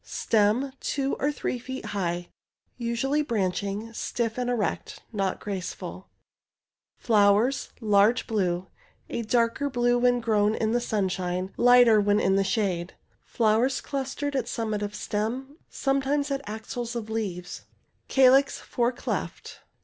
Stems— two to three feet high— usually branching— stiff and erect— not graceful. Flowers— large blue— a darker blue when grown in the sunshine— lighter when in the shade— flowers clustered at summit of stem— sometimes at axils of leaves— calyx four cleft.